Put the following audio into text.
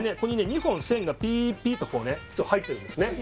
２本線がピーピーッと入ってるんですね